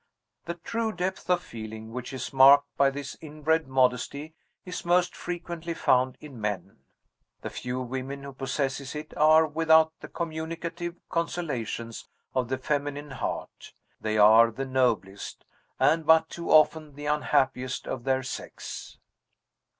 The true depth of feeling which is marked by this inbred modesty is most frequently found in men. The few women who possess it are without the communicative consolations of the feminine heart. They are the noblest and but too often the unhappiest of their sex.